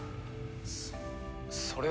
そそれは。